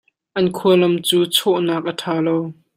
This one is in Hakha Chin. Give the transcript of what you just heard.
An khua lam cu chawh nak a ṭha lo.